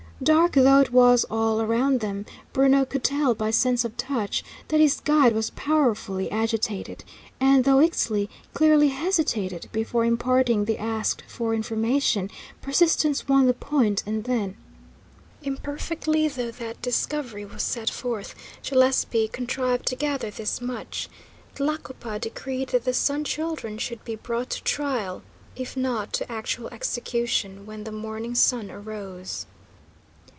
Dark though it was all around them, Bruno could tell by sense of touch that his guide was powerfully agitated, and, though Ixtli clearly hesitated before imparting the asked for information, persistence won the point; and then Imperfectly though that discovery was set forth, Gillespie contrived to gather this much: Tlacopa decreed that the Sun Children should be brought to trial, if not to actual execution, when the morning sun arose!